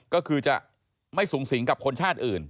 ก็คือจะไม่สูงสิงกับคนชาติอื่น